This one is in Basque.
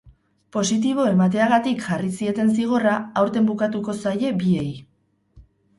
Positibo emateagatik jarri zieten zigorra aurten bukatuko zaiei biei.